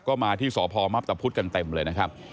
ก็มาที่สปมพกันเต็มเลยนะครับ